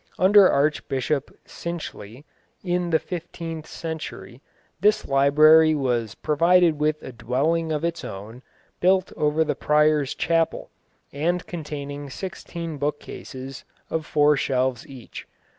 Under Archbishop Chicheley, in the fifteenth century, this library was provided with a dwelling of its own, built over the Prior's Chapel, and containing sixteen bookcases of four shelves each.